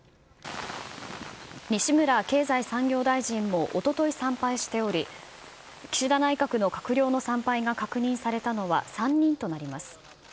西村経済産業大臣もおととい参拝しており、岸田内閣の閣僚の参拝が確認されたのは３人となります。